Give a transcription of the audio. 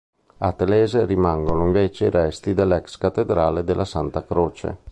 A Telese rimangono invece resti dell'ex cattedrale della Santa Croce.